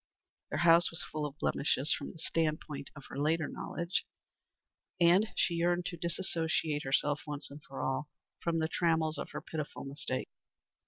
Their house was full of blemishes from the stand point of her later knowledge, and she yearned to dissociate herself, once and for all, from the trammels of her pitiful mistake.